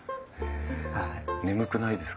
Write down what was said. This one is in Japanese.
眠くないですか？